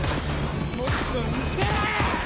もっと見せろよ！